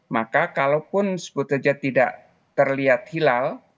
maka kalaupun sebut saja tidak terlihat hilal